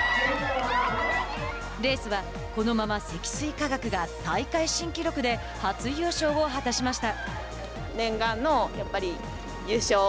レースはこのまま積水化学が大会新記録で初優勝を果たしました。